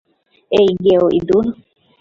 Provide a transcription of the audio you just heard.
এই, গেঁয়ো ইদুঁর!